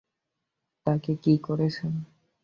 তাকে কী করেছেন?